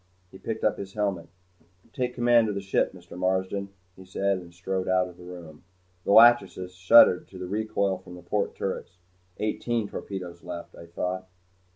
He picked up his helmet. "Take command of the ship, Mr. Marsden," he said, and strode out of the room. The "Lachesis" shuddered to the recoil from the port turrets. Eighteen torpedoes left, I thought.